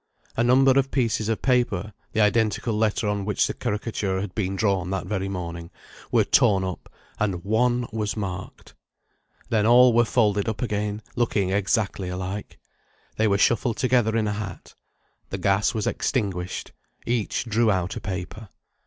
A number of pieces of paper (the identical letter on which the caricature had been drawn that very morning) were torn up, and one was marked. Then all were folded up again, looking exactly alike. They were shuffled together in a hat. The gas was extinguished; each drew out a paper.